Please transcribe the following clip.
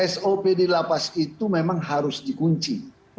sop di lapas itu memang harus dikunci